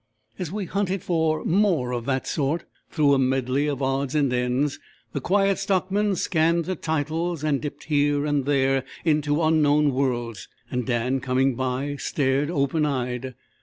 As we hunted for "more of that sort," through a medley of odds and ends, the Quiet Stockman scanned titles and dipped here and there into unknown worlds, and Dan coming by, stared open eyed.